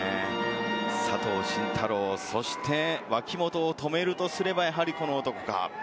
佐藤慎太郎、そして脇本を止めるとすれば、やはりこの男か？